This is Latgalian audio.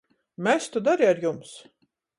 Mes tod ari ar jums!